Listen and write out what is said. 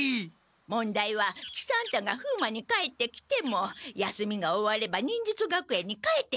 問題は喜三太が風魔に帰ってきても休みが終われば忍術学園に帰ってしまうということじゃ。